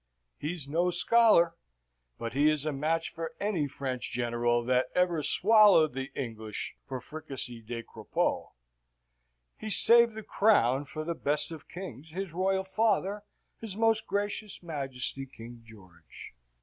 "He's no scholar, but he is a match for any French general that ever swallowed the English for fricassee de crapaud. He saved the crown for the best of kings, his royal father, his Most Gracious Majesty King George."